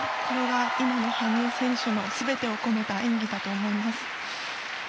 これが今の羽生選手の全てを込めた演技だと思います。